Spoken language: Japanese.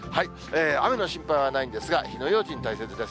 雨の心配はないんですが、火の用心、大切です。